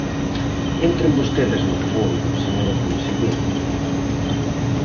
Entren vostedes no fondo, señora conselleira.